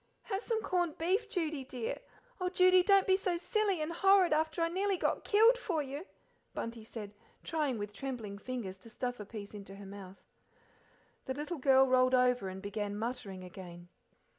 "Have some corned beef, Judy, dear oh, Judy, don't be so silly and horrid after I nearly got killed for you," Bunty said, trying with trembling fingers to stuff a piece into her mouth. The little girl rolled over and began muttering again.